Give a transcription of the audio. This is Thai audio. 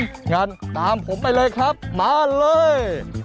งั้นตามผมไปเลยครับมาเลย